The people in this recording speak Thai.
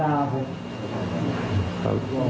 อย่างร่วงค่วยอะไรก็เลย